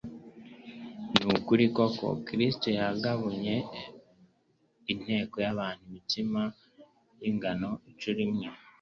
Ni ukuri koko, Kristo yagabunye inteko y'abantu imitsima y'ingano inshuro imwe,